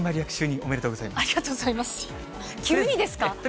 ありがとうございます。